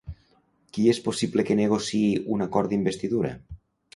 Qui és possible que negociï un acord d'investidura?